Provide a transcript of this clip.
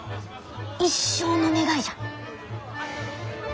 一生の願いじゃ。